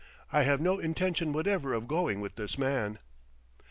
I have no intention whatever of going with this man."